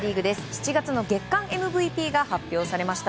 ７月の月間ＭＶＰが発表されました。